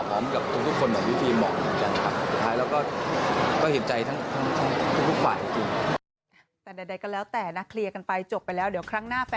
ผมก็รู้สึกขาวพร้อมกับทุกคนเหมือนที่ฟิล์มเหมาะเหมือนกันครับ